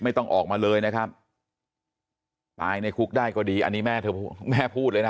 ไม่ต้องออกมาเลยนะครับตายในคุกได้ก็ดีอันนี้แม่เธอแม่พูดเลยนะ